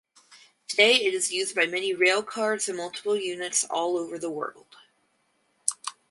Today it is used by many railcars and multiple units all over the world.